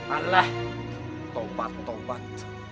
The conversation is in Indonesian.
alah tobat tobat